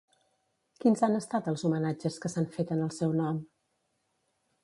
Quins han estat els homenatges que s'han fet en el seu nom?